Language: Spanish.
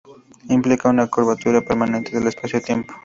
Implica una curvatura permanente del espacio-tiempo.